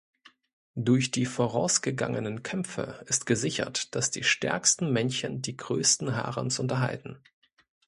Durch die vorausgegangenen Kämpfe ist gesichert, dass die stärksten Männchen die größten Harems unterhalten.